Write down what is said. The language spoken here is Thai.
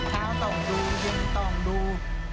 เช้าต้องดูเย็นต้องดู